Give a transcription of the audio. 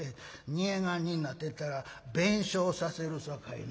煮燗になってたら弁償させるさかいな。